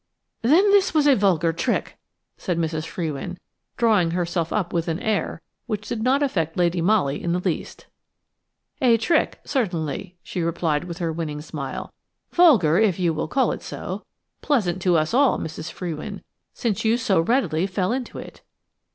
"Then this was a vulgar trick," said Mrs. Frewin, drawing herself up with an air which did not affect Lady Molly in the least. "A trick, certainly," she replied with her winning smile, "vulgar, if you will call it so–pleasant to us all, Mrs. Frewin, since you so readily fell into it."